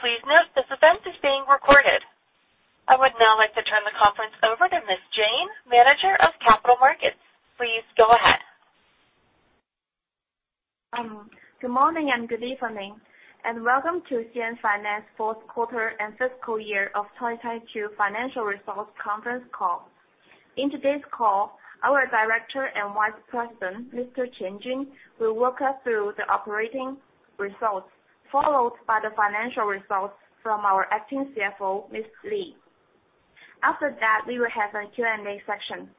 Please note this event is being recorded. I would now like to turn the conference over to Ms. Jane, Manager of Capital Markets. Please go ahead. Good morning and good evening, and welcome to CNFinance Fourth Quarter and Fiscal Year of 2022 Financial Results Conference Call. In today's call, our Director and Vice President, Mr. Qian Jun, will walk us through the operating results followed by the financial results from our Acting CFO, Miss Li. After that, we will have a Q&A session.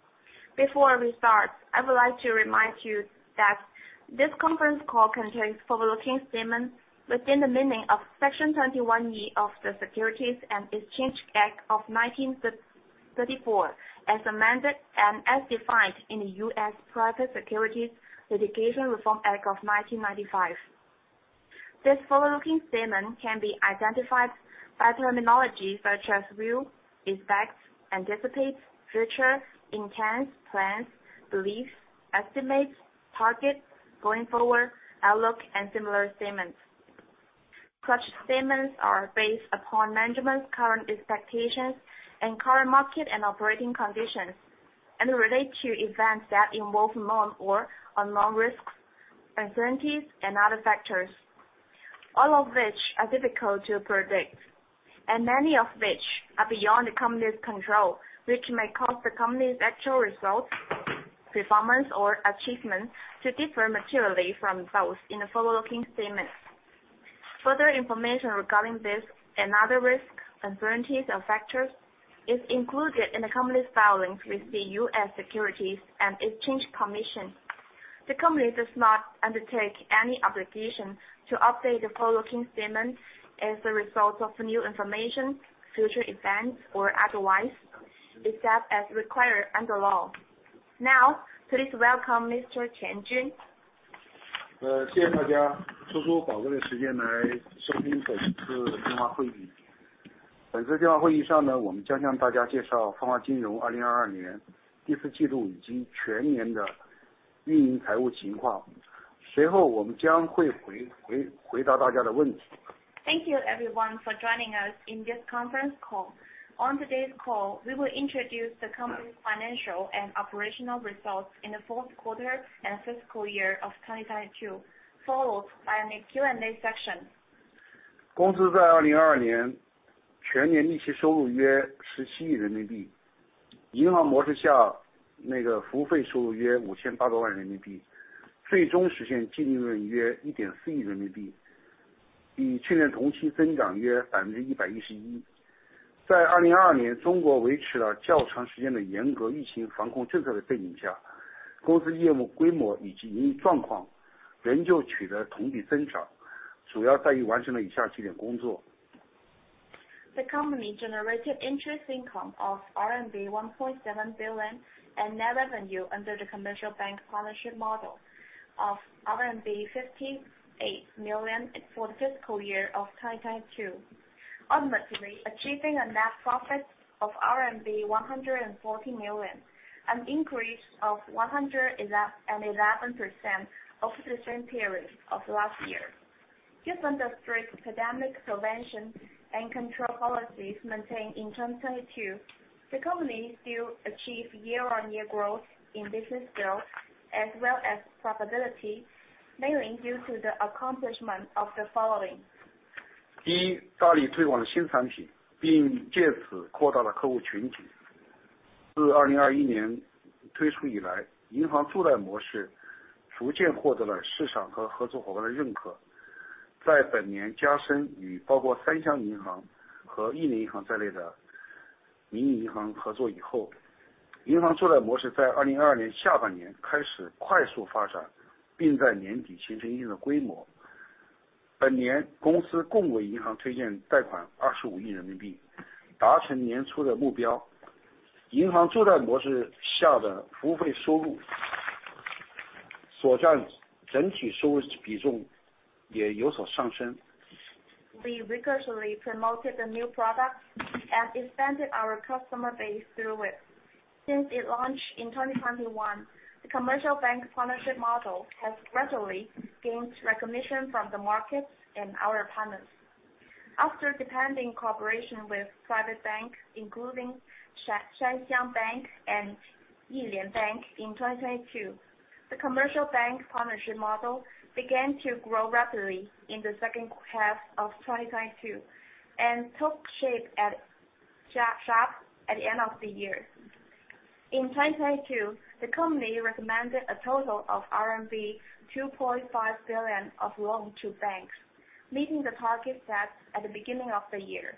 Before we start, I would like to remind you that this conference call contains forward-looking statements within the meaning of Section 21 E of the Securities and Exchange Act of 1934 as amended and as defined in the US Private Securities Litigation Reform Act of 1995. This forward-looking statement can be identified by terminology such as view, expects, anticipates, future, intends, plans, beliefs, estimates, targets, going forward, outlook and similar statements. Such statements are based upon management's current expectations and current market and operating conditions and relate to events that involve known or unknown risks, uncertainties and other factors, all of which are difficult to predict, and many of which are beyond the company's control, which may cause the company's actual results, performance or achievements to differ materially from those in the forward-looking statements. Further information regarding this and other risks, uncertainties and factors is included in the company's filings with the US Securities and Exchange Commission. The company does not undertake any obligation to update the forward-looking statements as a result of new information, future events or otherwise, except as required under law. Now, please welcome Mr. Qian Jun. 谢谢大家抽出宝贵的时间来收听本次电话会议。本次电话会议上 呢, 我们将向大家介绍富华金融 2022年第四季度已经全年的运营财务情况。随后我们将会回答大家的问题。Thank you everyone for joining us in this conference call. On today's call, we will introduce the company's financial and operational results in the fourth quarter and fiscal year of 2022, followed by a Q&A session. 公司在二零二年全年利息收入约十七亿人民币。银行模式下那个服务费收入约五千八百万元人民 币， 最终实现净利润约一点四亿人民 币， 比去年同期增长约百分之一百一十一。在二零二年中国维持了较长时间的严格疫情防控政策的背景 下， 公司业务规模以及盈利状况仍旧取得同比增 长， 主要在于完成了以下几点工作。The company generated interest income of RMB 1.7 billion and net revenue under the commercial bank partnership model of RMB 58 million for the fiscal year of 2022, ultimately achieving a net profit of RMB 140 million, an increase of 111% over the same period of last year. Given the strict pandemic prevention and control policies maintained in 2022, the company still achieved year-on-year growth in business growth as well as profitability, mainly due to the accomplishment of the following. 第 一， 大力推广新产 品， 并借此扩大了客户群体。自2021年推出以 来， 银行助贷模式逐渐获得了市场和合作伙伴的认可。在本年加深与包括 Sanxiang Bank 和 Yilian Bank 在内的民营银行合作以 后， 银行助贷模式在2022年下半年开始快速发 展， 并在年底形成一定的规模。本年公司共为银行推荐贷款 CNY 2.5 billion， 达成年初的目标。银行助贷模式下的服务费收入所占整体收入比重也有所上升。We rigorously promoted the new products and expanded our customer base through it. Since it launched in 2021, the commercial bank partnership model has gradually gained recognition from the markets and our partners. After deepening cooperation with private banks, including Sanxiang Bank and Yilian Bank in 2022, the commercial bank partnership model began to grow rapidly in the second half of 2022 and took shape at sharp at the end of the year. In 2022, the company recommended a total of RMB 2.5 billion of loan to banks, meeting the target set at the beginning of the year.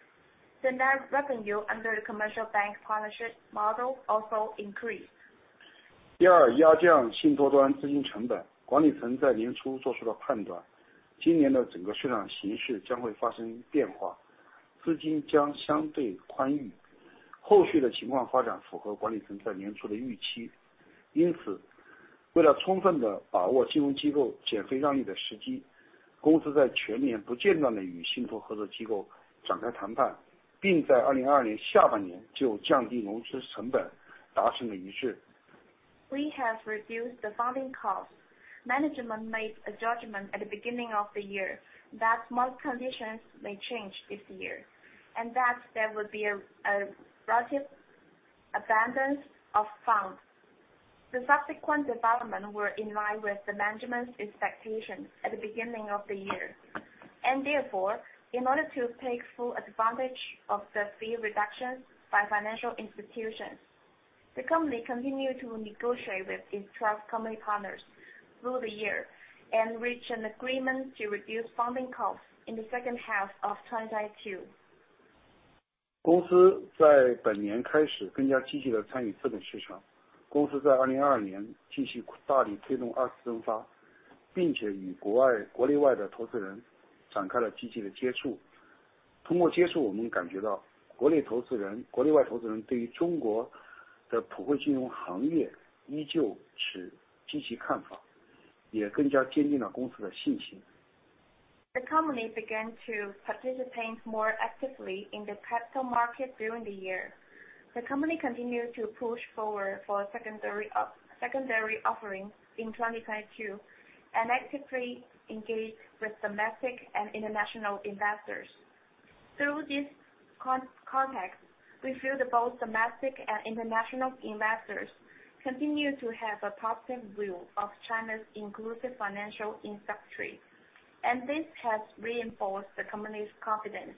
The net revenue under the commercial bank partnership model also increased. 第 二， 压降信托端资金成本。管理层在年初做出了判 断， 今年的整个市场形势将会发生变 化， 资金将相对宽 裕， 后续的情况发展符合管理层在年初的预期。因 此， 为了充分地把握金融机构减肥让利的时 机， 公司在全年不间断地与信托合作机构展开谈 判， 并在2022年下半年就降低融资成本达成了一致。We have reduced the funding costs. Management made a judgment at the beginning of the year that market conditions may change this year and that there would be a relative abundance of funds. The subsequent development were in line with the management's expectations at the beginning of the year. Therefore, in order to take full advantage of the fee reductions by financial institutions, the company continued to negotiate with its trust company partners through the year and reach an agreement to reduce funding costs in the second half of 2022. The company began to participate more actively in the capital market during the year. The company continued to push forward for a secondary offering in 2022, and actively engaged with domestic and international investors. Through this context, we feel that both domestic and international investors continue to have a positive view of China's inclusive financial industry, and this has reinforced the company's confidence.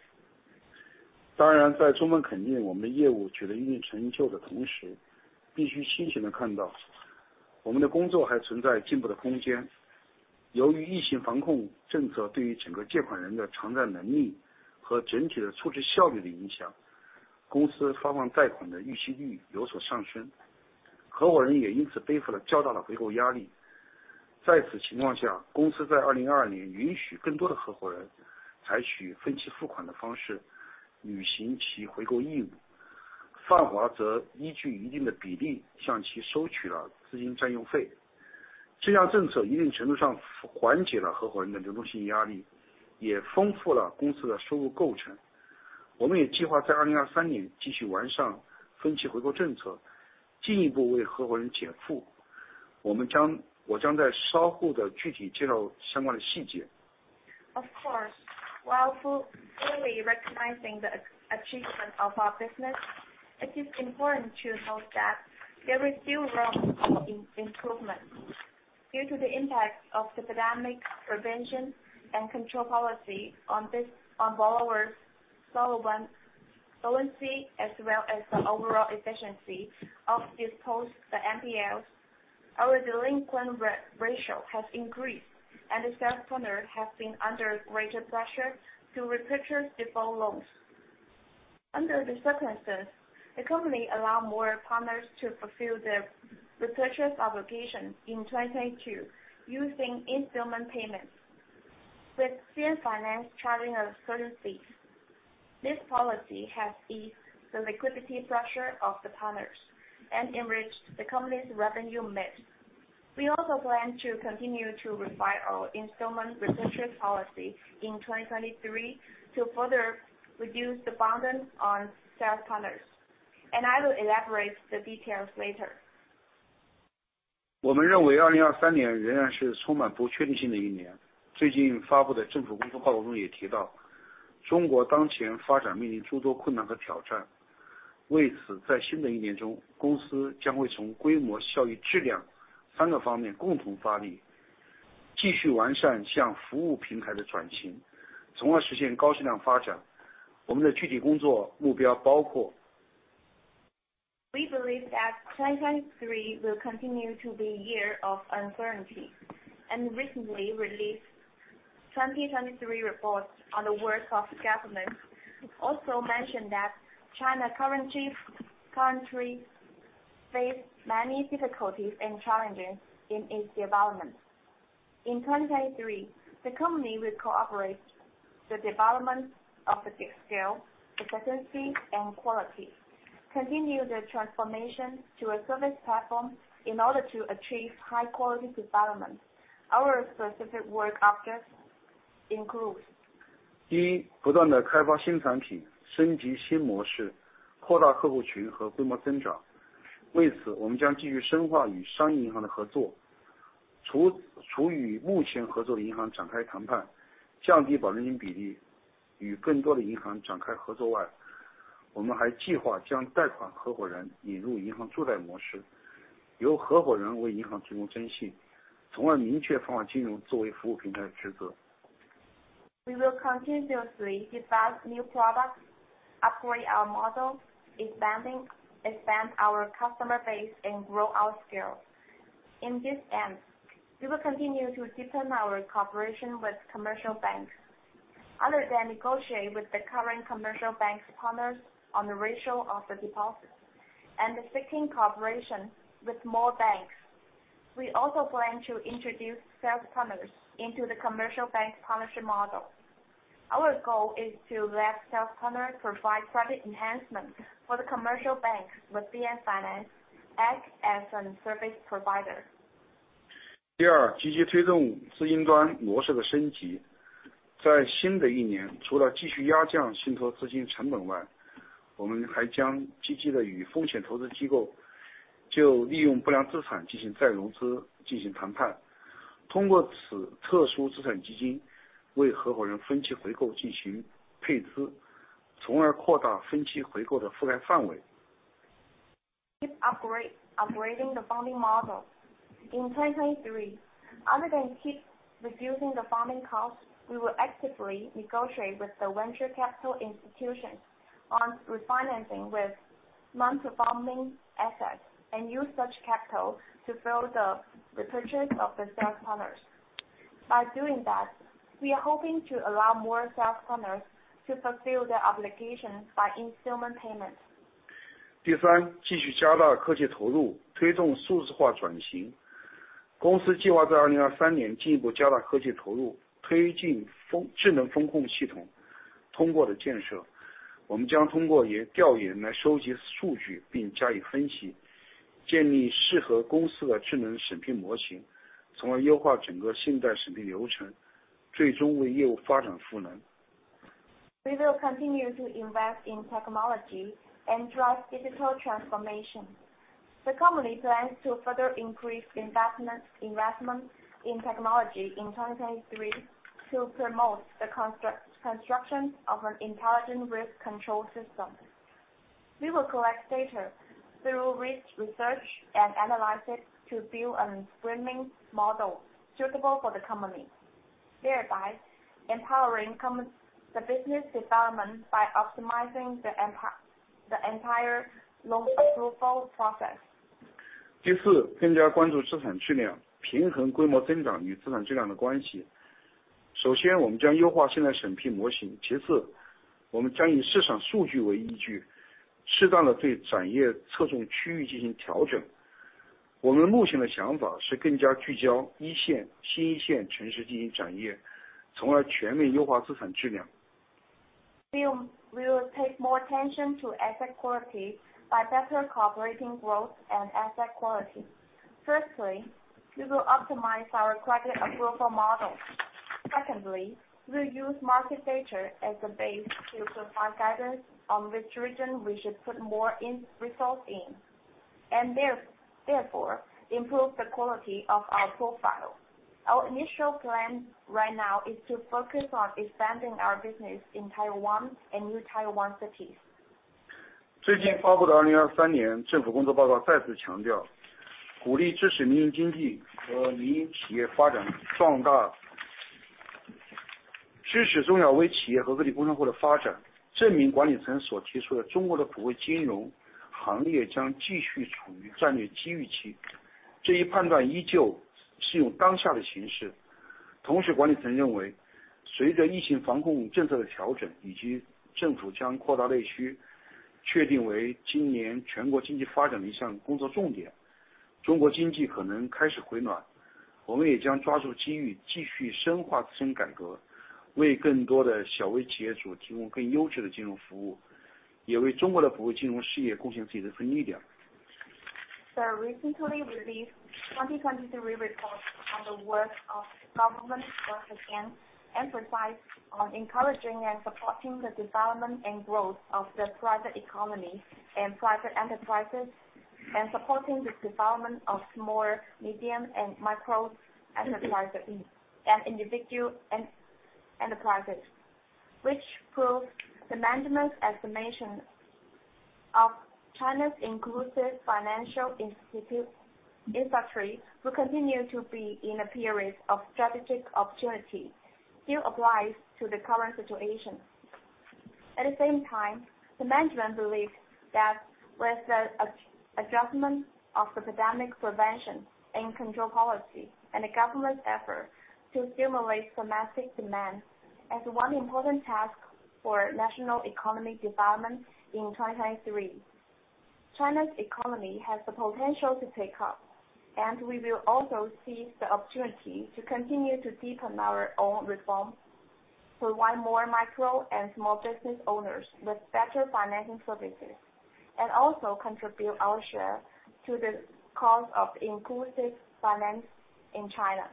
Of course, while fully recognizing the achievement of our business, it is important to note that there is still room in improvement. Due to the impact of the pandemic prevention and control policy on this, on borrowers' solvency, as well as the overall efficiency of disposed the NPL, our delinquent ratio has increased, and the sales partner has been under greater pressure to repurchase default loans. Under the circumstances, the company allow more partners to fulfill their repurchase obligation in 2022 using installment payments with CNFinance charging a certain fee. This policy has eased the liquidity pressure of the partners and enriched the company's revenue mix. We also plan to continue to refine our installment repurchase policy in 2023 to further reduce the burden on sales partners. I will elaborate the details later. We believe that 2023 will continue to be a year of uncertainty. Recently released 2023 reports on the work of government also mentioned that China current chief country face many difficulties and challenges in its development. In 2023, the company will cooperate the development of the scale, efficiency and quality, continue the transformation to a service platform in order to achieve high quality development. Our specific work objects includes. We will continue to develop new products, upgrade our models, expand our customer base and grow our scale. In this end, we will continue to deepen our cooperation with commercial banks. Other than negotiate with the current commercial bank partners on the ratio of the deposits and seeking cooperation with more banks, we also plan to introduce sales partners into the commercial bank partnership model. Our goal is to let sales partners provide credit enhancement for the commercial banks, with CNFinance act as a service provider. 第 二， 积极推动资金端模式的升级。在新的一 年， 除了继续压降信托资金成本 外， 我们还将积极地与风险投资机构就利用不良资产进行再融资进行谈判。通过此特殊资产基金为合伙人分期回购进行配 资， 从而扩大分期回购的覆盖范围。Upgrading the funding model. In 2023, other than keep reducing the funding costs, we will actively negotiate with the venture capital institutions on refinancing with non-performing assets and use such capital to fill the repurchase of the sales partners. By doing that, we are hoping to allow more sales partners to fulfill their obligations by installment payments. 第 三， 继续加大科技投 入， 推动数字化转型。公司计划在2023年进一步加大科技投 入， 推进风--智能风控系统通过的建设。我们将通过也--调研来收集数据并加以分 析， 建立适合公司的智能审批模 型， 从而优化整个信贷审批流程，最终为业务发展赋能。We will continue to invest in technology and drive digital transformation. The company plans to further increase investment in technology in 2023 to promote the construction of an intelligent risk control system. We will collect data through research and analyze it to build an screening model suitable for the company, thereby empowering the business development by optimizing the entire loan approval process. 第 四， 更加关注资产质 量， 平衡规模增长与资产质量的关系。首先我们将优化信贷审批模 型， 其 次， 我们将以市场数据为依 据， 适当的对展业侧重区域进行调整。我们目前的想法是更加聚焦一线、新一线城市进行展 业， 从而全面优化资产质量。We will pay more attention to asset quality by better cooperating growth and asset quality. Firstly, we will optimize our credit approval model. Secondly, we'll use market data as a base to provide guidance on which region we should put more results in, and therefore, improve the quality of our profile. Our initial plan right now is to focus on expanding our business in Tier one and new Tier one cities. 最近发布的2023年政府工作报告再次强 调， 鼓励支持民营经济和民营企业发展壮大。支持中小微企业和个体工商户的发 展， 证明管理层所提出的中国的普惠金融行业将继续处于战略机遇期。这一判断依旧适用当下的形势。同 时， 管理层认 为， 随着疫情防控政策的调 整， 以及政府将扩大内需确定为今年全国经济发展的一项工作重 点， 中国经济可能开始回暖。我们也将抓住机 遇， 继续深化自身改 革， 为更多的小微企业主提供更优质的金融服务，也为中国的普惠金融事业贡献自己的力量。The recently released 2023 report on the work of the government once again emphasized on encouraging and supporting the development and growth of the private economy and private enterprises, and supporting the development of small, medium and micro enterprises and individual enterprises, which proves the management's estimation of China's inclusive financial industry will continue to be in a period of strategic opportunity still applies to the current situation. At the same time, the management believes that with the adjustment of the pandemic prevention and control policy and the government's effort to stimulate domestic demand as one important task for national economy development in 2023, China's economy has the potential to pick up, and we will also seize the opportunity to continue to deepen our own reform to want more micro and small business owners with better financing services, and also contribute our share to the cause of inclusive finance in China.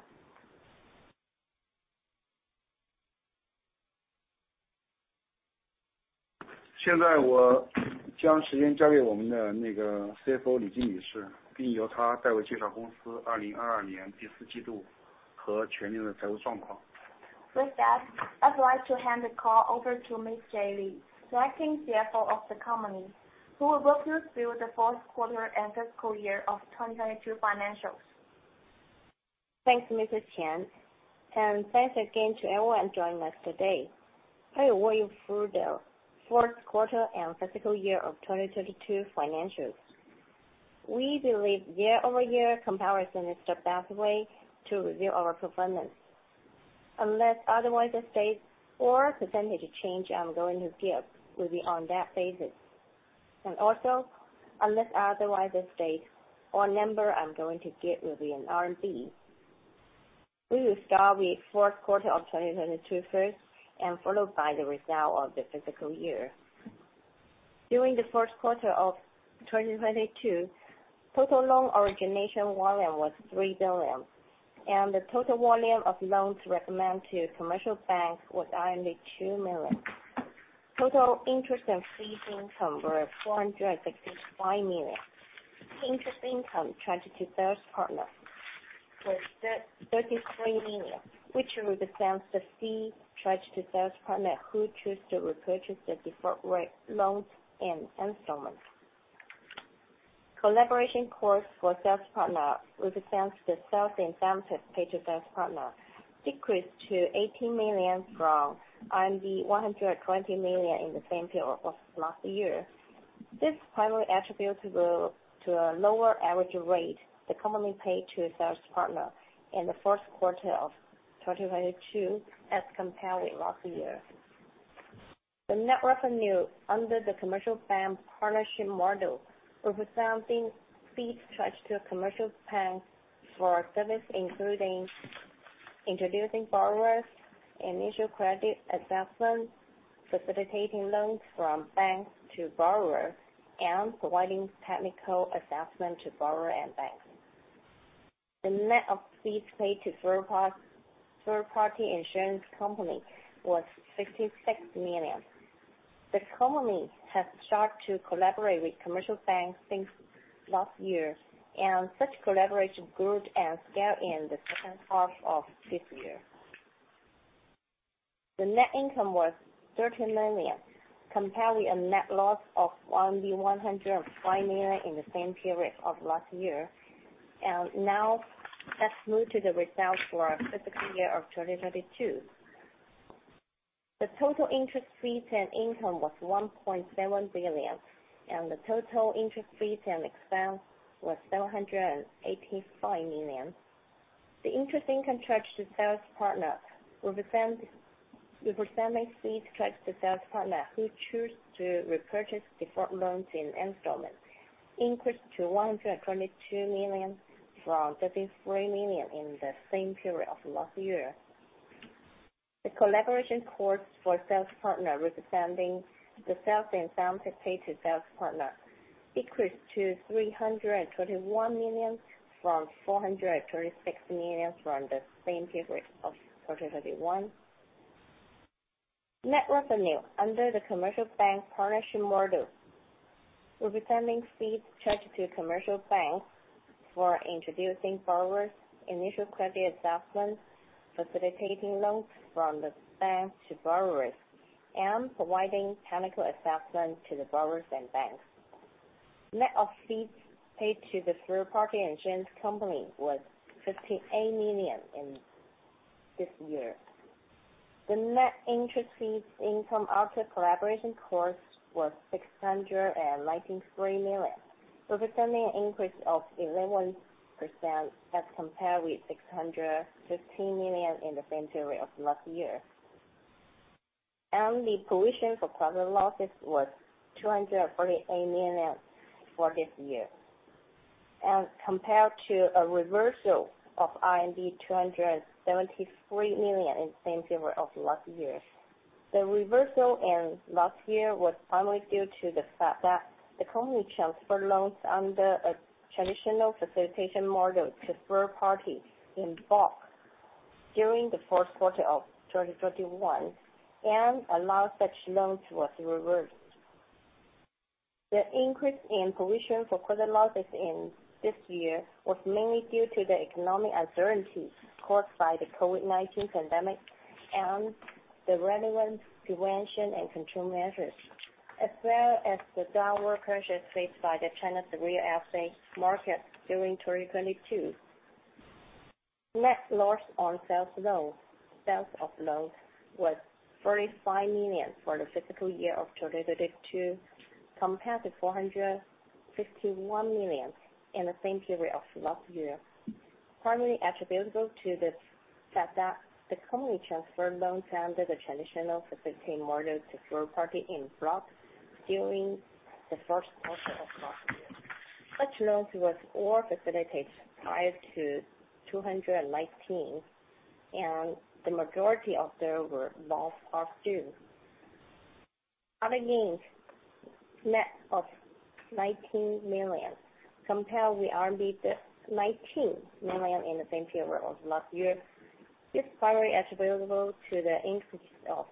现在我将时间交给我们的那个 CFO 李晶女 士， 并由她代为介绍公司2022年第四季度和全年的财务状况。With that, I'd like to hand the call over to Miss Jing Li, the Acting CFO of the company who will walk you through the fourth quarter and fiscal year of 2022 financials. Thanks, Mr. Qian. Thanks again to everyone joining us today. I will walk you through the fourth quarter and fiscal year of 2022 financials. We believe year-over-year comparison is the best way to review our performance. Unless otherwise is stated, all percentage change I'm going to give will be on that basis. Also, unless otherwise is stated, all number I'm going to give will be in RMB. We will start with fourth quarter of 2022 first and followed by the result of the fiscal year. During the first quarter of 2022, total loan origination volume was 3 billion, and the total volume of loans recommended to commercial banks was 2 million. Total interest and fees income were 465 million. Interest income charged to sales partner was 33 million, which represents the fee charged to sales partner who choose to repurchase the default rate loans in installments. Collaboration costs for sales partner represents the sales incentives paid to sales partner decreased to 18 million from 120 million in the same period of last year. This primarily attributable to a lower average rate the company paid to a sales partner in the first quarter of 2022 as compared with last year. The net revenue under the commercial bank partnership model, representing fees charged to commercial banks for service including introducing borrowers, initial credit assessment, facilitating loans from banks to borrowers, and providing technical assessment to borrower and banks. The net of fees paid to third-party insurance company was 56 million. The company has started to collaborate with commercial banks since last year, and such collaboration grew and scaled in the second half of this year. The net income was 13 million, comparing a net loss of 105 million in the same period of last year. Now, let's move to the results for our fiscal year of 2022. The total interest fees and income was 1.7 billion, and the total interest fees and expense was 785 million. The interest income charged to sales partner represents fees charged to sales partner who choose to repurchase default loans in installments increased to 122 million from 33 million in the same period of last year. The collaboration costs for sales partner, representing the sales incentives paid to sales partner, decreased to 321 million from 436 million from the same period of 2021. Net revenue under the commercial bank partnership model, representing fees charged to commercial banks for introducing borrowers, initial credit assessments, facilitating loans from the banks to borrowers, and providing technical assessment to the borrowers and banks. Net of fees paid to the third-party insurance company was 58 million in this year. The net interest fees income after collaboration costs was 693 million, representing an increase of 11% as compared with 615 million in the same period of last year. The provision for credit losses was 248 million for this year, and compared to a reversal of RMB 273 million in same period of last year. The reversal in last year was primarily due to the fact that the company transferred loans under a traditional facilitation model to third parties in bulk during the first quarter of 2021 and a lot of such loans was reversed. The increase in provision for credit losses in this year was mainly due to the economic uncertainties caused by the COVID-19 pandemic and the relevant prevention and control measures, as well as the downward pressure faced by the China's real estate market during 2022. Net loss on sales loans, sales of loans was 35 million for the fiscal year of 2022, compared to 451 million in the same period of last year. Primarily attributable to the fact that the company transferred loans under the traditional facilitation model to third party in bulk during the first quarter of last year. Such loans was all facilitated prior to 2019, and the majority of there were lost of due. Other gains, net of 19 million, compared with RMB 19 million in the same period of last year. This is primarily attributable to the increase of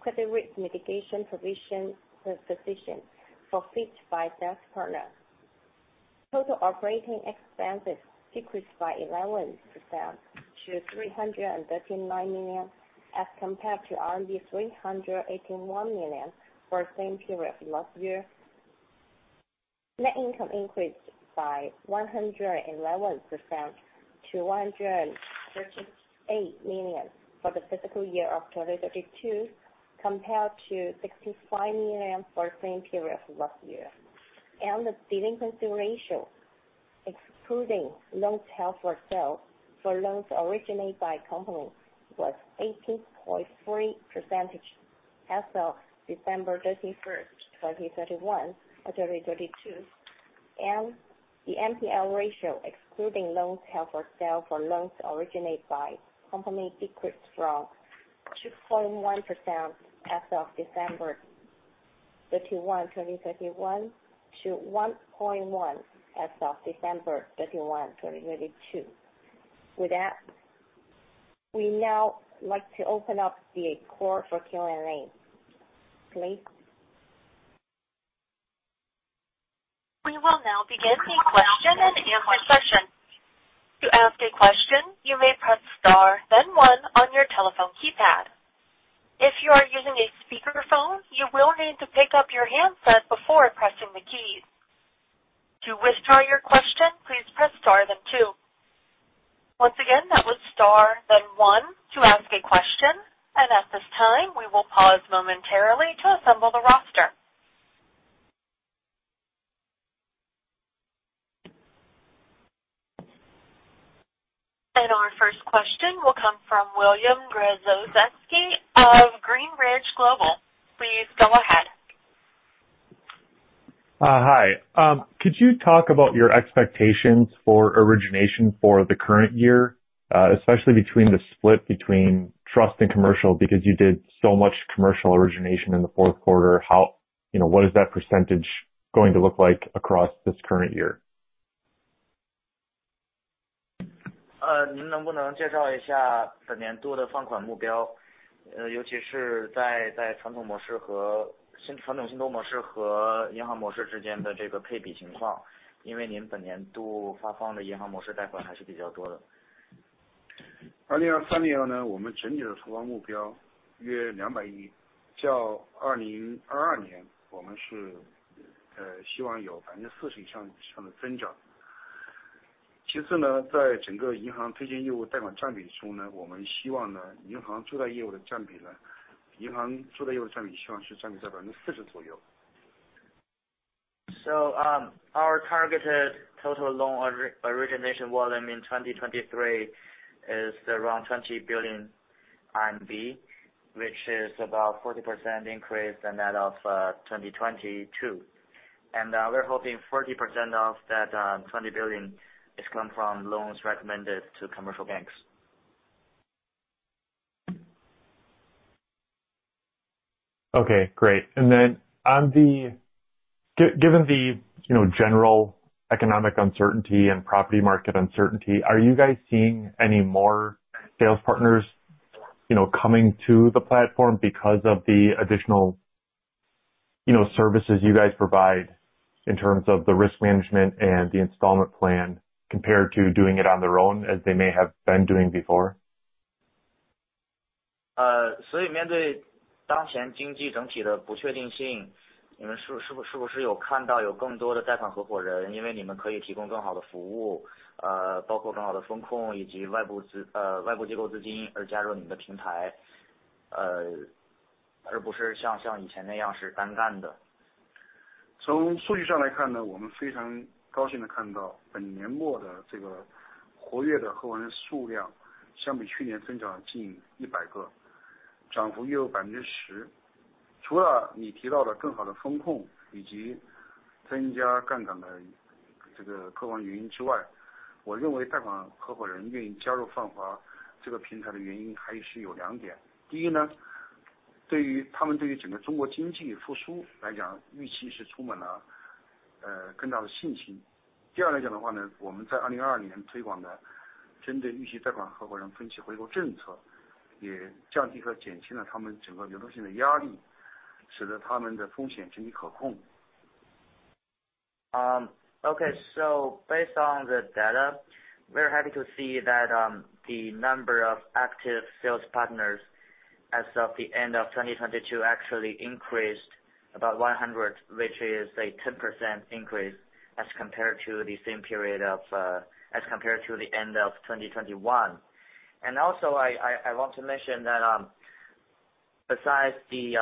Credit Risk Mitigation Position forfeit by sales partner. Total operating expenses decreased by 11% to 339 million, as compared to RMB 381 million for same period last year. Net income increased by 111% to $138 million for the fiscal year of 2022, compared to $65 million for same period of last year. The delinquency ratio, excluding loans held for sale for loans originated by company, was 18.3% as of 31 December 2021 or 2022. The NPL ratio excluding loans held for sale for loans originated by company decreased from 2.1% as of 31 December 2021 to 1.1% as of December 31, 2022. With that, we now like to open up the call for Q&A. Please. We will now begin the question-and-answer session. To ask a question, you may press star then one on your telephone keypad. If you are using a speaker phone, you will need to pick up your handset before pressing the keys. To withdraw your question, please press star then two. Once again, that was star then one to ask a question. At this time, we will pause momentarily to assemble the roster. Our first question will come from William Gregozeski of Greenridge Global. Please go ahead. Hi. Could you talk about your expectations for origination for the current year, especially between the split between trust and commercial because you did so much commercial origination in the fourth quarter? You know, what is that percentage going to look like across this current year? Our targeted total loan origination volume in 2023 is around RMB 20 billion, which is about 40% increase than that of 2022. We're hoping 40% of that, 20 billion is coming from loans recommended to commercial banks. Okay, great. Given the, you know, general economic uncertainty and property market uncertainty, are you guys seeing any more sales partners, you know, coming to the platform because of the additional, you know, services you guys provide in terms of the risk management and the installment plan compared to doing it on their own as they may have been doing before? Okay. Based on the data, we're happy to see that the number of active sales partners as of the end of 2022 actually increased about 100, which is a 10% increase as compared to the same period of as compared to the end of 2021. I want to mention that besides the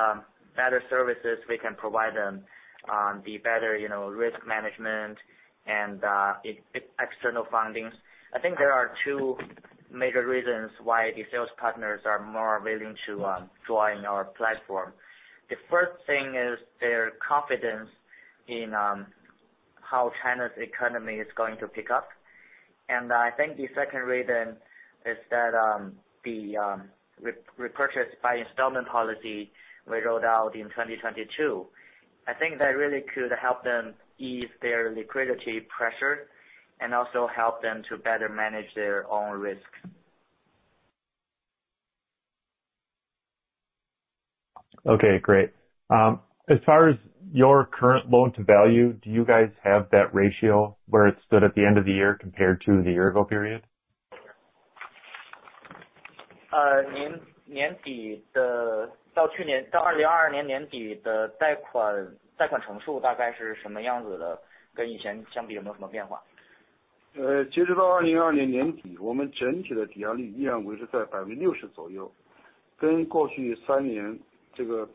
better services we can provide them on the better, you know, risk management and external fundings. I think there are two major reasons why the sales partners are more willing to join our platform. The first thing is their confidence in how China's economy is going to pick up. I think the second reason is that the repurchase by installment policy we rolled out in 2022. I think that really could help them ease their liquidity pressure and also help them to better manage their own risks. Okay, great. As far as your current loan to value, do you guys have that ratio where it stood at the end of the year compared to the year-ago period? At the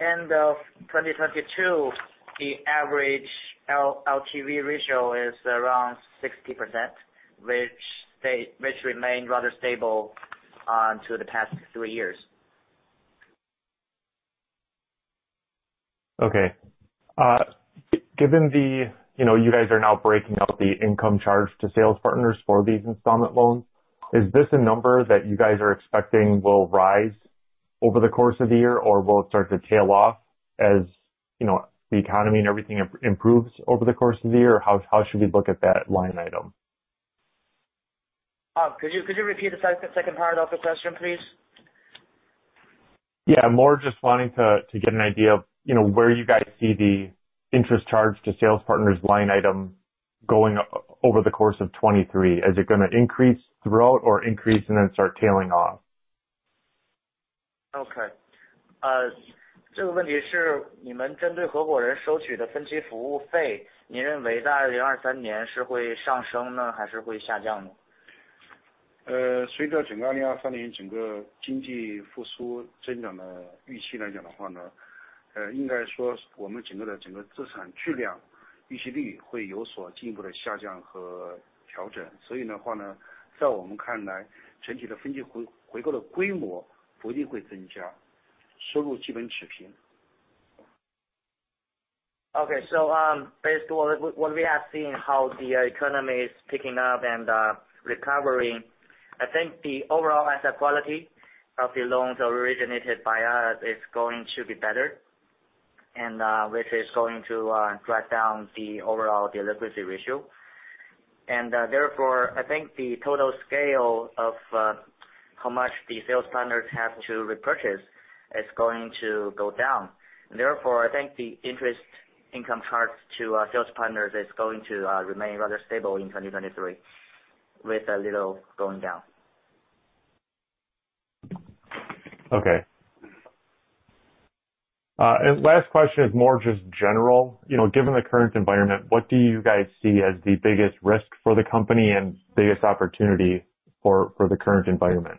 end of 2022, the average L-LTV ratio is around 60%, which remained rather stable to the past three years. Okay. given the, you know, you guys are now breaking out the income charge to sales partners for these installment loans, is this a number that you guys are expecting will rise over the course of the year or will it start to tail off as, you know, the economy and everything improves over the course of the year? How should we look at that line item? Could you repeat the second part of the question, please? Yeah. More just wanting to get an idea of, you know, where you guys see the interest charge to sales partners line item going over the course of 2023. Is it gonna increase throughout or increase and then start tailing off? Okay. Okay. Based on what we are seeing, how the economy is picking up and recovering, I think the overall asset quality of the loans originated by us is going to be better and which is going to drive down the overall delinquency ratio. Therefore, I think the total scale of how much the sales partners have to repurchase is going to go down. Therefore, I think the interest income charged to sales partners is going to remain rather stable in 2023 with a little going down. Okay. Last question is more just general. You know, given the current environment, what do you guys see as the biggest risk for the company and biggest opportunity for the current environment?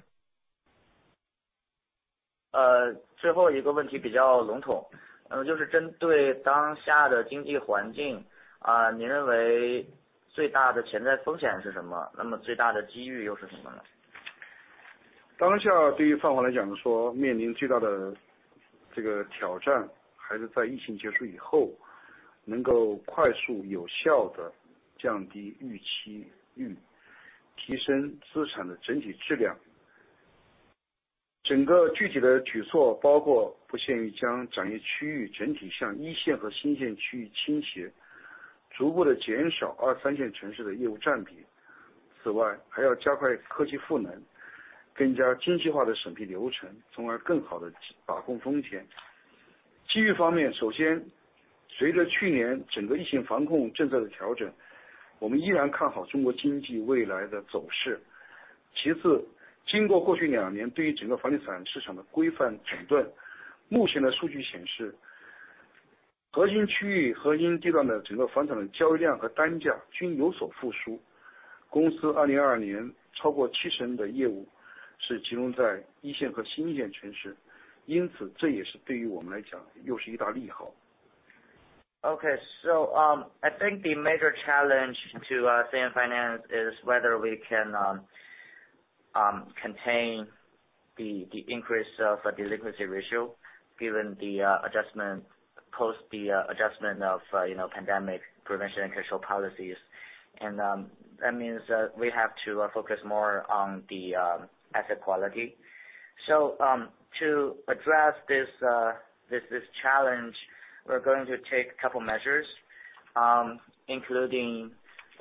I think the major challenge to CNFinance is whether we can contain the increase of delinquency ratio given the post the adjustment of you know pandemic prevention and control policies. That means that we have to focus more on the asset quality. To address this challenge, we're going to take a couple measures, including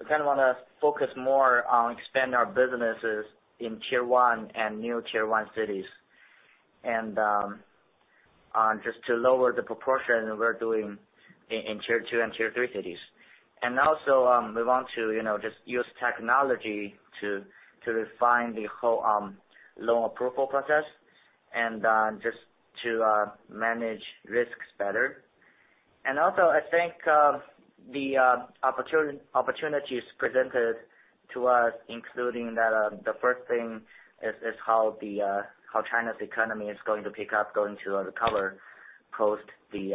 we kinda wanna focus more on expand our businesses in tier one and new tier one cities and on just to lower the proportion we're doing in tier two and tier three cities. Also, we want to, you know, just use technology to refine the whole loan approval process and just to manage risks better. Also, I think, the opportunities presented to us, including that, the first thing is how China's economy is going to pick up, going to recover post the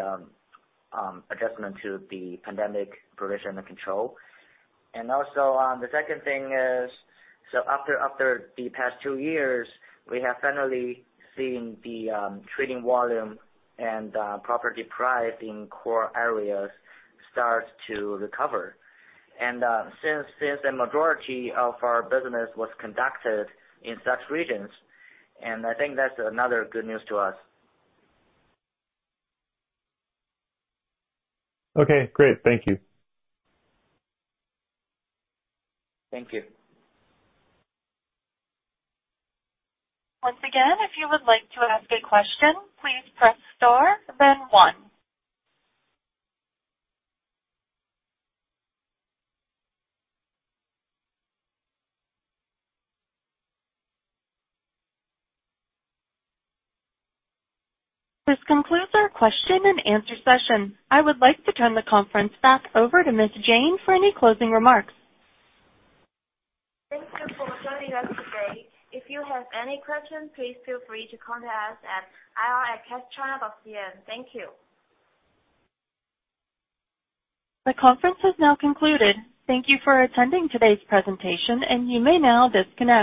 adjustment to the pandemic prevention and control. The second thing is after the past two years; we have finally seen the trading volume and property price in core areas start to recover. Since the majority of our business was conducted in such regions, and I think that's another good news to us. Okay, great. Thank you. Thank you. Once again, if you would like to ask a question, please press star then one. This concludes our question-and-answer session. I would like to turn the conference back over to Ms. Jane for any closing remarks. Thank you for joining us today. If you have any questions, please feel free to contact us at ir@cashchina.cn. Thank you. The conference has now concluded. Thank you for attending today's presentation, and you may now disconnect.